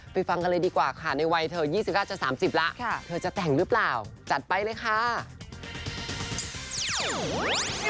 ฟังกันเลยดีกว่าค่ะในวัยเธอ๒๙จะ๓๐แล้วเธอจะแต่งหรือเปล่าจัดไปเลยค่ะ